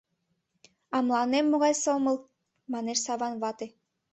— А мыланем могай сомыл! — манеш Саван вате.